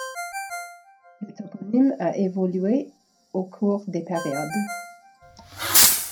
Le toponyme a évolué au cours des périodes.